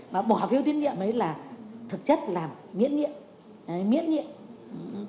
mà bỏ phiếu tín nhiệm ấy là thực chất làm miễn nhiệm